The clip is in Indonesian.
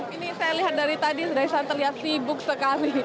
ini saya lihat dari tadi sudah isan terlihat sibuk sekali